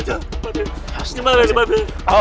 ini hubungannya bisnis nih masalah peternakan ya